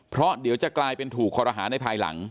เพราะเดี๋ยวจะกลายเป็นถูกคอรหาในภายหลัง